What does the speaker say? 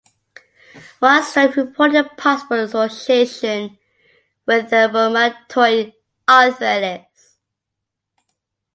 One study reported a possible association with rheumatoid arthritis.